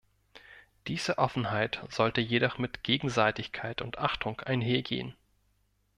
Diese Offenheit sollte jedoch mit Gegenseitigkeit und Achtung einhergehen.